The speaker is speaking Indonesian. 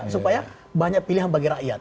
supaya banyak pilihan bagi rakyat